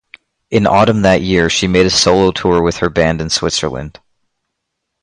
In autumn that year, she made a solo tour with her band in Switzerland.